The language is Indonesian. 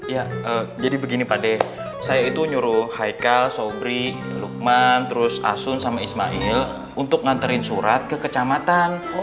ya jadi begini pak de saya itu nyuruh haikal sobri lukman terus asun sama ismail untuk nganterin surat ke kecamatan